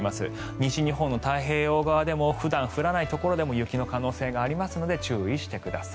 西日本の太平洋側でも普段降らないところでも雪の可能性がありますので注意してください。